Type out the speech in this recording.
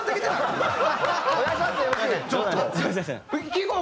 聞こう。